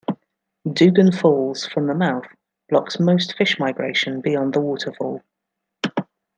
Dougan Falls, from the mouth, blocks most fish migration beyond the waterfall.